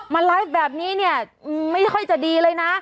ไลฟ์แบบนี้เนี่ยไม่ค่อยจะดีเลยนะ